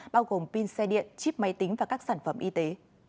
bao gồm pin xe điện chip máy tính và các sản phẩm y tế